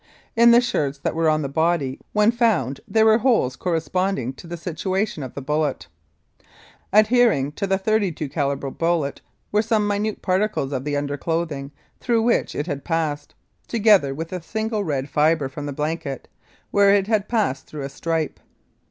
In the shirts that were on the body when found there were holes corresponding to the situation of the bullet. Adhering to the 32 calibre bullet were some minute particles of the underclothing through which it had passed, together with a single red fibre from the blanket, where it had passed through a stripe.